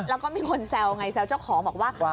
แล้วก็มีคนแซวเจ้าของมีคนบอกว่า